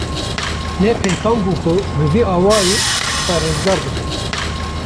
Ne pêkan bû ku bi vî awayî xwe rizgar bikin.